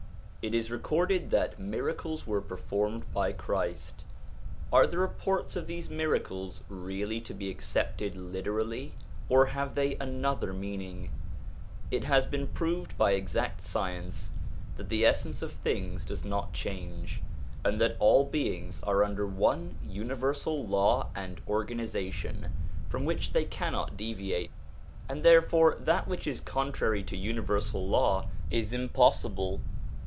It is recorded that miracles were performed by Christ : are the reports of these miracles really to be accepted literally, or have they another meaning ? It has been proved by exact science that the essence of things does not change, and that all beings are under one universal law and organisation from which they cannot deviate ; and therefore that which is contrary to universal law is impossible.